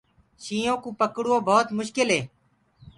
شيِنهو ڪوُ پڪڙوو ڀوت مشڪِل هي۔